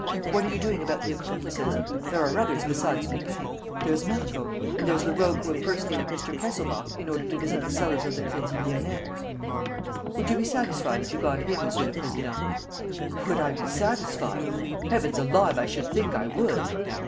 What are you doing about the accomplices? There are others besides Lupin. There is Marco; and there's the rogue who impersonated Mr. Kesselbach in order to visit the cellars of the Crédit Lyonnais." "Would you be satisfied if you got him, Monsieur le Président?" "Would I be satisfied? Heavens alive, I should think I would!"